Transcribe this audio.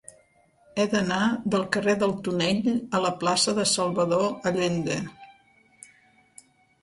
He d'anar del carrer del Tonell a la plaça de Salvador Allende.